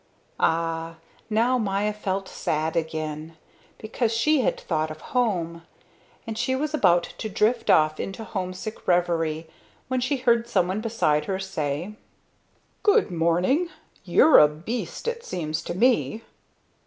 Ah, now Maya felt sad again. Because she had thought of home. And she was about to drift off into homesick revery when she heard someone beside her say: "Good morning. You're a beast, it seems to me."